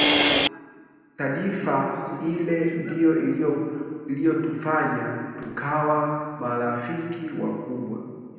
Sadfa ile, ndio iliyotufanya tukawa marafiki wakubwa